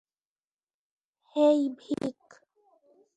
হেই, ভিক।